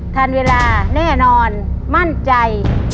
ทันเวลาแน่นอนมั่นใจ